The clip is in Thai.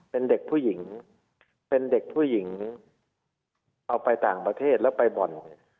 เป็นเด็กผู้หญิงเป็นเด็กผู้หญิงเอาไปต่างประเทศแล้วไปบ่อนเนี่ย